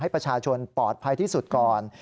ประชาชนปลอดภัยที่สุดก่อน